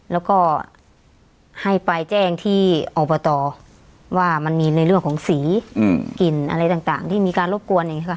แล้วก็ให้ไปแจ้งที่ออบตว่ามันมีเรื่องของสีกลิ่นอะไรต่างที่มีการรบกวน